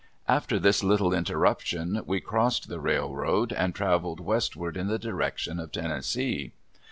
After this little interruption we crossed the railroad and traveled westward in the direction of Tennessee.